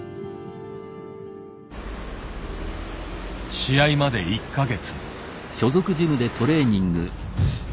試合まで１か月。